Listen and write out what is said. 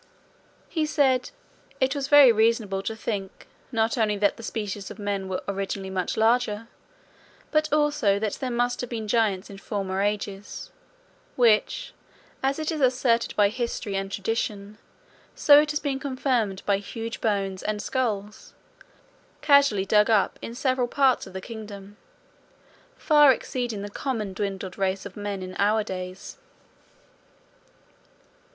He said "it was very reasonable to think, not only that the species of men were originally much larger, but also that there must have been giants in former ages; which, as it is asserted by history and tradition, so it has been confirmed by huge bones and skulls, casually dug up in several parts of the kingdom, far exceeding the common dwindled race of men in our days."